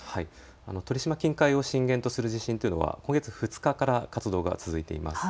鳥島近海を震源とする地震というのは今月２日から活動が続いています。